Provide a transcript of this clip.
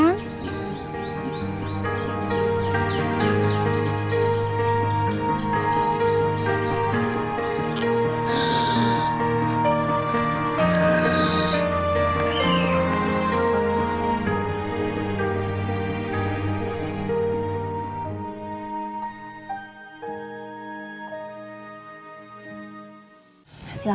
itu kan ya ief